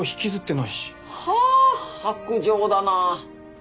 はあ薄情だな！